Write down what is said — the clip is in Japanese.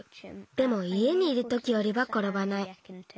でもいえにいるときよりはころばない。